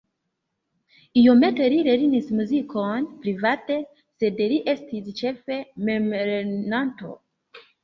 Iomete li lernis muzikon private, sed li estis ĉefe memlernanto.